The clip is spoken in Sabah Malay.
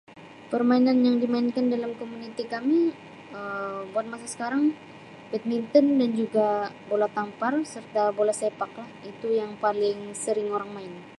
Permainan yang dimainkan dalam komuniti kami Um buat masa sekarang badminton dan juga bola tampar serta bola sepak lah itu yang paling sering orang main.